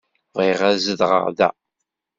Bɣiɣ ad zedɣeɣ da.